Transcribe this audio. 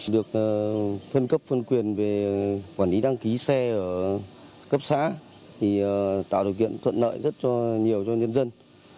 được phân cấp phân quyền về quản lý đăng ký xe ở cấp xã tạo điều kiện thuận lợi rất nhiều cho nhân dân